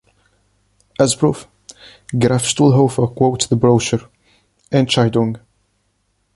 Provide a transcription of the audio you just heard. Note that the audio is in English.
As proof, Graf-Stuhlhofer quotes the brochure ""Entscheidung.